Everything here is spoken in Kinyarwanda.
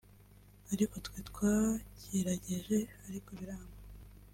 ariko twe twagerageje ariko biranga